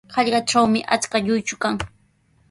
Hallqatrawmi achka lluychu kan.